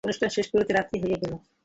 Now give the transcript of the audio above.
অনুষ্ঠান শেষ করিতে রাত্রি হইয়া গেল।